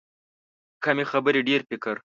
کمې خبرې، ډېر فکر.